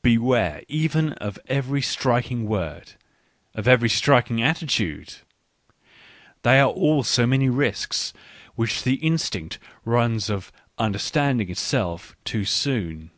Beware even of every striking word, of every striking attitude ! They are all so many risks which the instinct runs of" understand ing itself" too soon.